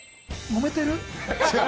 もめてる？